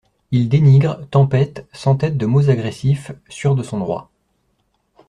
Il dénigre, tempête, s’entête de mots agressifs, sûr de son droit.